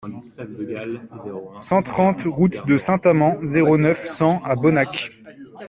cent trente route de Saint-Amans, zéro neuf, cent à Bonnac